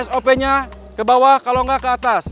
sop nya kebawah kalau nggak ke atas